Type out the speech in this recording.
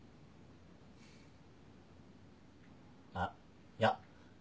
あっいや